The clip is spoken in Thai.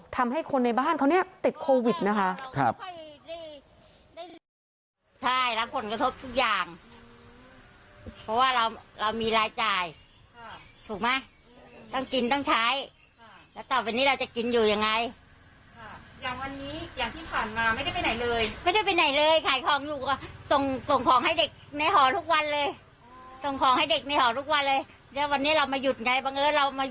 ทำให้คนในบ้านเขาเนี่ยติดโควิดนะคะ